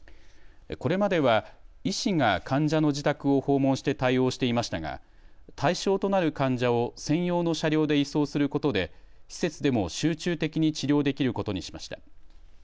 これまでは医師が患者の自宅を訪問して対応していましたが対象となる患者を専用の車両で移送することで施設でも集中的に治療できることにしました。